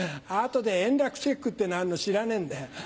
後で円楽チェックっていうのあるの知らねえんだよ。